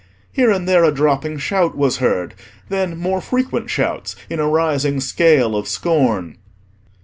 Here and there a dropping shout was heard; then, more frequent shouts in a rising scale of scorn.